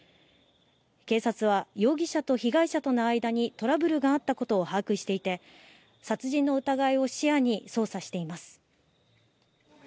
警察は容疑者と被害者との間にトラブルがあったことを把握していて殺人の疑いを視野に捜査しています。